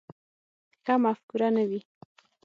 ښه مفکوره نه وي.